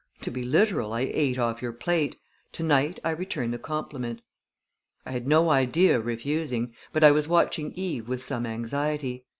To be literal, I ate off your plate. Tonight I return the compliment." I had no idea of refusing, but I was watching Eve with some anxiety.